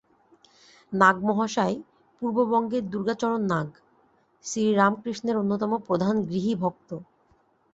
নাগমহাশয় পূর্ববঙ্গের দুর্গাচরণ নাগ, শ্রীরামকৃষ্ণের অন্যতম প্রধান গৃহী ভক্ত।